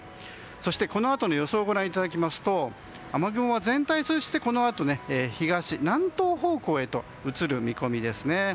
そして、このあとの予想をご覧いただきますと雨雲は全体を通じて、このあと東南東方向へと移る見込みですね。